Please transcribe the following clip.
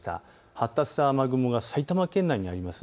発達した雨雲が埼玉県内にあります。